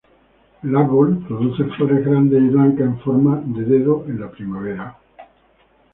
El árbol produce flores grandes y blancas en forma de dedo en la primavera.